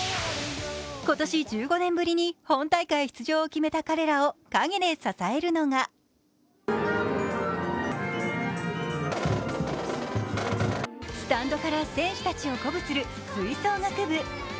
今年１５年ぶりに本大会出場を決めた彼らを影で支えるのがスタンドから選手たちを鼓舞する吹奏楽部。